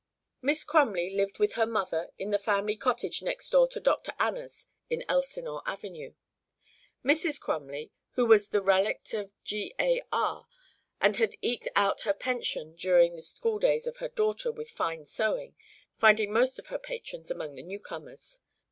Miss Crumley lived with her mother in the family cottage next door to Dr. Anna's in Elsinore Avenue. Mrs. Crumley, who was the relict of a G. A. R. had eked out her pension during the schooldays of her daughter with fine sewing, finding most of her patrons among the newcomers.